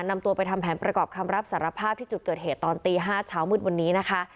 นำตัวไปทำแผนประกอบคำรับสารภาพที่จุดเกิดเหตุตอนตี๕เช้ามืดวันนี้นะคะ